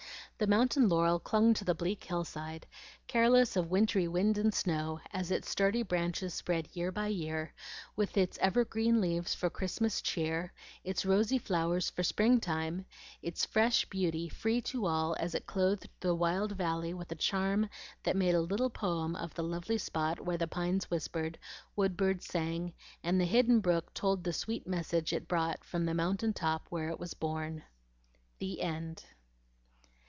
The mountain laurel clung to the bleak hillside, careless of wintry wind and snow, as its sturdy branches spread year by year, with its evergreen leaves for Christmas cheer, its rosy flowers for spring time, its fresh beauty free to all as it clothed the wild valley with a charm that made a little poem of the lovely spot where the pines whispered, woodbirds sang, and the hidden brook told the sweet message it brought from the mountain top where it was born. The End.